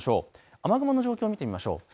雨雲の状況、見ていきましょう。